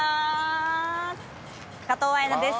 加藤綾菜です